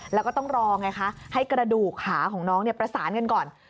แล้วก็ต้องรอไงคะให้กระดูกขาของน้องประสานกันก่อน